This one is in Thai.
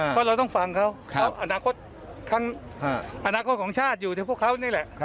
เพราะเราต้องฟังเขาเขาอนาคตของชาติอยู่ที่พวกเขานี่แหละ